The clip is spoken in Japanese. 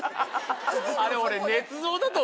あれ俺。